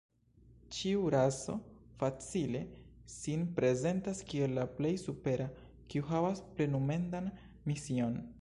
Ĉiu raso facile sin prezentas kiel la plej supera, kiu havas plenumendan mision.